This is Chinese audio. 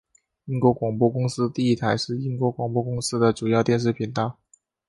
英国广播公司第一台是英国广播公司的主要电视频道。